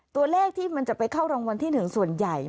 ตัวเลขที่มันจะไปเข้ารางวัลที่๑ส่วนใหญ่